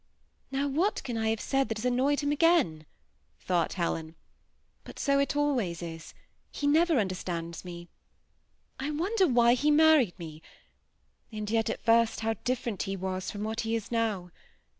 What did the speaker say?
^' Now, what can I have said that has annoyed him again ?" thought Helen ;" but so it always is ; he never understands me. I wonder why he married me ; and yet at first how different he was from what he is now